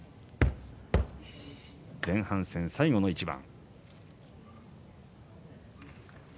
前半戦、最後の一番。